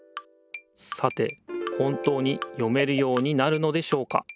さて本当に読めるようになるのでしょうか？